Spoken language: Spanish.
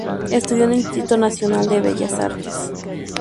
Estudió en el Instituto Nacional de Bellas Artes.